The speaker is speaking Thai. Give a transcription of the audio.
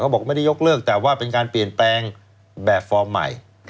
บอกไม่ได้ยกเลิกแต่ว่าเป็นการเปลี่ยนแปลงแบบฟอร์มใหม่